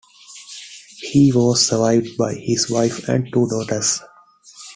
He was survived by his wife and two daughters.